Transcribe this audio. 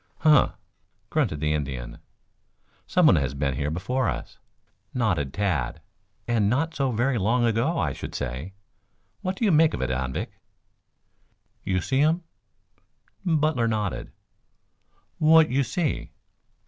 "Huh!" grunted the Indian. "Someone has been here before us," nodded Tad. "And not so very long ago, I should say. What do you make of it, Anvik?" "You see um?" Butler nodded. "What you see?"